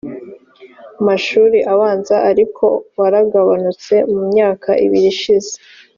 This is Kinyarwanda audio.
mashuri abanza ariko waragabanutse mu myaka ibiri ishize